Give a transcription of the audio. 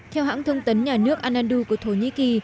theo hãng thông tấn nhà nước anandu của thổ nhĩ kỳ